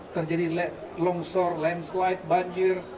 terjadi longsor landslide banjir